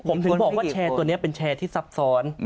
ผมถึงบอกว่าแชร์ตัวนี้เป็นแชร์ที่ซับซ้อน